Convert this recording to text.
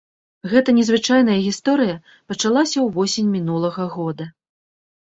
Гэта незвычайная гісторыя пачалася ўвосень мінулага года.